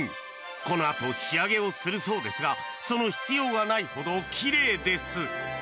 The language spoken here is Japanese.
このあと仕上げをするそうですがその必要がないほどきれいです。